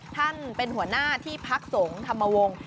ท่านเป็นหัวหน้าที่พักสงฆ์ธรรมวงศ์